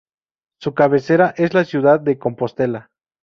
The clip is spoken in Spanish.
Su cabecera es la ciudad de Compostela.